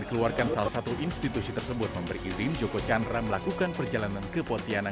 dikeluarkan salah satu institusi tersebut memberi izin joko chandra melakukan perjalanan ke pontianak